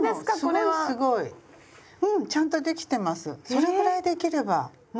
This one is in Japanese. それぐらいできれば。